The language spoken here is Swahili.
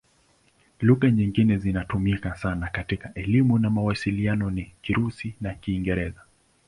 Lugha nyingine zinazotumika sana katika elimu na mawasiliano ni Kirusi na Kiingereza.